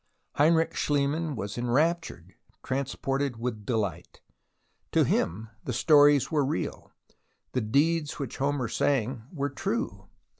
Heinrich Schliemann was enraptured, transported with delight. To him the stories were real, the deeds which Homer sang were true.